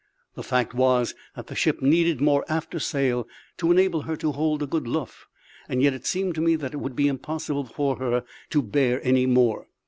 The fact was that the ship needed more after sail to enable her to hold a good luff; yet it seemed to me that it would be impossible for her to bear any more.